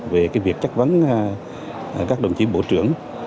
về việc chất vấn các đồng chí bộ trưởng